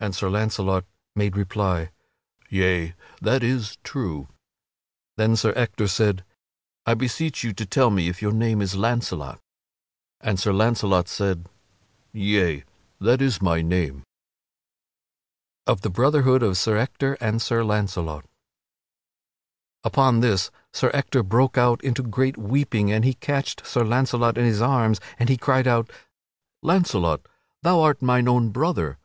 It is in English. And Sir Launcelot made reply: "Yea, that is true." Then Sir Ector said: "I beseech you to tell me if your name is Launcelot." And Sir Launcelot said: "Yea, that is my name." [Sidenote: Of the brotherhood of Sir Ector and Sir Launcelot] Upon this Sir Ector broke out into great weeping and he catched Sir Launcelot in his arms and he cried out: "Launcelot, thou art mine own brother!